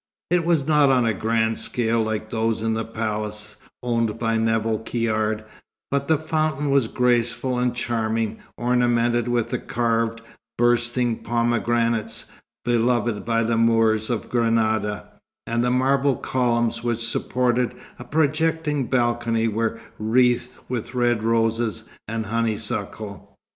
It was not on a grand scale, like those in the palace owned by Nevill Caird; but the fountain was graceful and charming, ornamented with the carved, bursting pomegranates beloved by the Moors of Granada, and the marble columns which supported a projecting balcony were wreathed with red roses and honeysuckle.